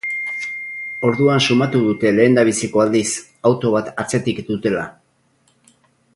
Orduan sumatu dute lehendabiziko aldiz auto bat atzetik dutela.